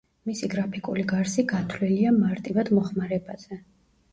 მისი გრაფიკული გარსი გათვლილია მარტივად მოხმარებაზე.